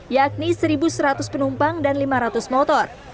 yakni satu seratus penumpang dan lima ratus motor